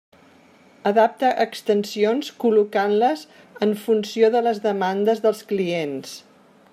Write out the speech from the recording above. Adapta extensions col·locant-les en funció de les demandes dels clients.